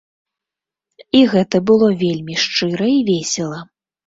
І гэта было вельмі шчыра і весела.